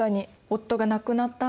夫が亡くなった